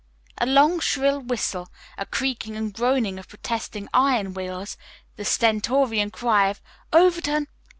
A long shrill whistle, a creaking and groaning of protesting iron wheels, the stentorian cry of "Overton!